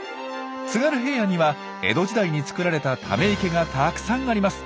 津軽平野には江戸時代に造られたため池がたくさんあります。